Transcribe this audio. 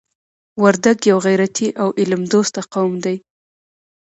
وردګ یو غیرتي او علم دوسته قوم دی.